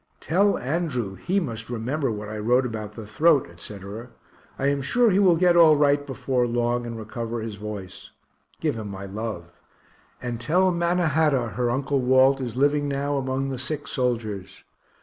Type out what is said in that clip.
Tell Andrew he must remember what I wrote about the throat, etc. I am sure he will get all right before long, and recover his voice. Give him my love and tell Mannahatta her Uncle Walt is living now among the sick soldiers.